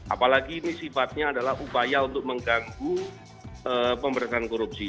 apalagi ini sifatnya adalah upaya untuk mengganggu pemberantasan korupsi